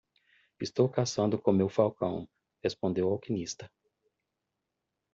"Estou caçando com meu falcão?" respondeu o alquimista.